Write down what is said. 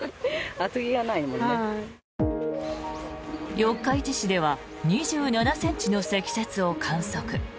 四日市市では２７ｃｍの積雪を観測。